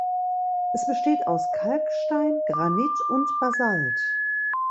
Es besteht aus Kalkstein, Granit und Basalt.